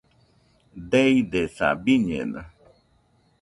Deidesaa, biñeno